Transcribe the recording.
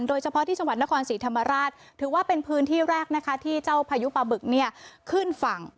โดยเฉพาะที่จังหวัดนครศรีธรรมราชถือว่าเป็นพื้นที่แรกนะคะที่เจ้าพายุปลาบึกเนี่ยขึ้นฝั่ง